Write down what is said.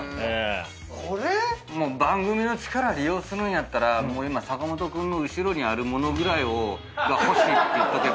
これ⁉番組の力利用するんやったら今坂本君の後ろにある物ぐらいを欲しいって言っとけば。